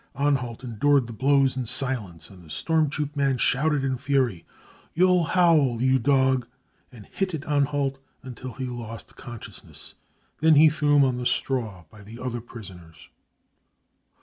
Anhalt endured the blows in silence, and the storm troop man shouted in fury : 4 You'll howl, you dog !' and hit at Anhalt until he lost consciousness. Then he threw him on the straw by the other prisoners."